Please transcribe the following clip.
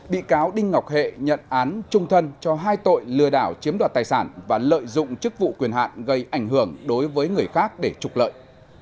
bị cáo đinh ngọc hệ nhận án trung thân cho hai tội lừa đảo chiếm đoạt tài sản và lợi dụng chức vụ quyền hạn gây ảnh hưởng đối với người khác để trục lợi